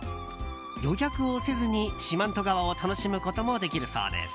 予約をせずに四万十川を楽しむこともできるそうです。